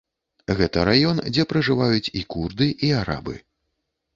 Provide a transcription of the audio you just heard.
Гэта раён, дзе пражываюць і курды, і арабы.